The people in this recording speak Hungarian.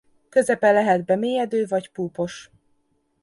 Közepe lehet bemélyedő vagy púpos.